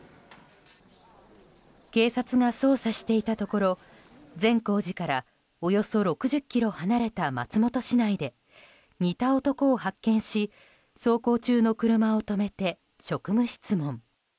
警察が捜査していたところ善光寺からおよそ６０ｋｍ離れた松本市内で似た男を発見し走行中の車を止めて職務質問。